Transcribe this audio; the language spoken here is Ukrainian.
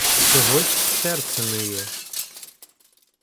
Чогось серце ниє.